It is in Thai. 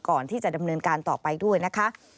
ก่อนที่จะดำเนินการต่อไปด้วยนะคะ